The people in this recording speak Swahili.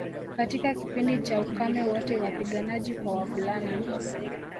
Katika kipindi cha ukame wote wapiganaji kwa wavulana